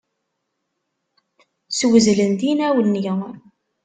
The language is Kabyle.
Swezlent inaw-nni.